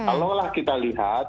kalau lah kita lihat